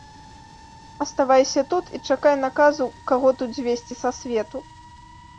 Аставайся тут і чакай наказу, каго тут звесці са свету.